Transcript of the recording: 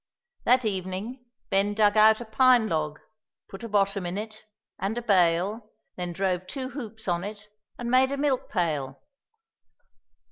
That evening Ben dug out a pine log, put a bottom in it, and a bail, then drove two hoops on it, and made a milk pail.